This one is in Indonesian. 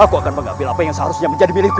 aku akan mengambil apa yang seharusnya menjadi milikku